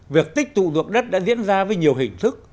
việc tích tụ ruộng đất đã diễn ra với nhiều hình thức